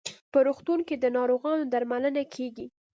په روغتون کې د ناروغانو درملنه کیږي.